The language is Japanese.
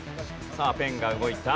さあペンが動いた。